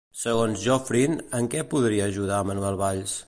Segons Joffrin, en què podria ajudar Manuel Valls?